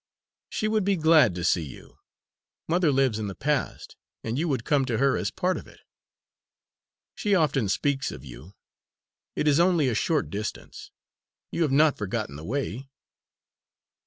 "She would be glad to see you. Mother lives in the past, and you would come to her as part of it. She often speaks of you. It is only a short distance. You have not forgotten the way?"